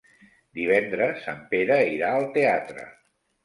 Divendres en Pere irà al teatre.